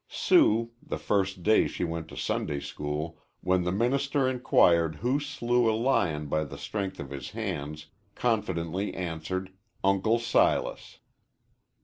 Sue, the first day she went to Sunday school, when the minister inquired who slew a lion by the strength of his hands, confidently answered, "Uncle Silas."